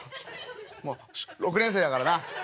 もう６年生だからな。